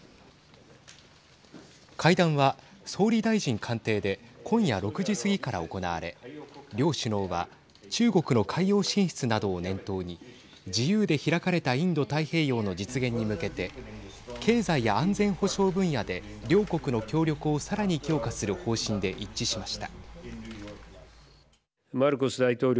会談は総理大臣官邸で今夜６時過ぎから行われ両首脳は中国の海洋進出などを念頭に自由で開かれたインド太平洋の実現に向けて経済や安全保障分野で両国の協力をさらに強化する方針で一致しました。